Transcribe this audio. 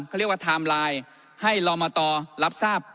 เขาเรียกว่าไทม์ไลน์ให้รอมตรรับทราบ